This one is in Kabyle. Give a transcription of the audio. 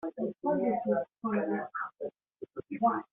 Ur asen-ten-id-tettak ara?